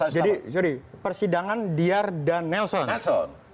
jadi jury persidangan diyar dan nelson